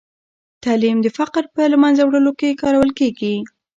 تعلیم د فقر په له منځه وړلو کې کارول کېږي.